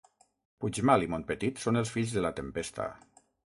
Puigmal i Montpetit són els fills de la tempesta.